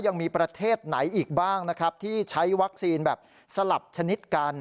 ยังมีประเทศไหนอีกบ้างนะครับที่ใช้วัคซีนแบบสลับชนิดกัน